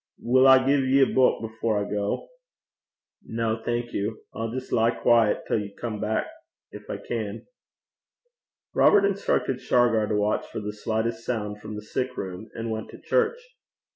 Will I gie ye a buik afore I gang?' 'No, thank you. I'll just lie quiet till you come back if I can.' Robert instructed Shargar to watch for the slightest sound from the sick room, and went to church.